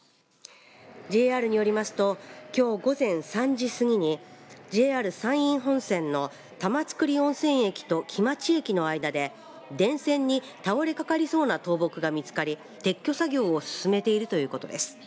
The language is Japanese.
ＪＲによりますときょう午前３時過ぎにＪＲ山陰本線の玉造温泉駅と来待駅の間で電線に倒れかかりそうな倒木が見つかり撤去作業を進めているということです。